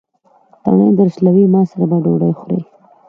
تڼۍ درشلوي: ما سره به ډوډۍ خورې.